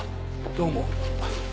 どうも。